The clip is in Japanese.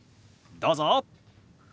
どうぞ。